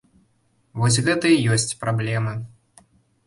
Вось гэта і ёсць праблемы.